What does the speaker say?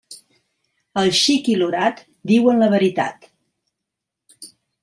El xic i l'orat diuen la veritat.